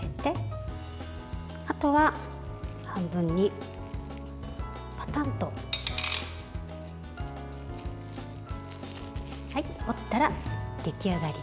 あとは、半分にパタンと折ったら出来上がりです。